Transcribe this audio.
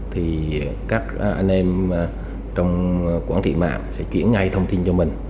thì các anh em trong quản trị mạng sẽ chuyển ngay thông tin cho mình